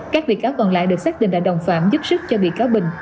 các bị cáo còn lại được xác định là đồng phạm giúp sức cho bị cáo bình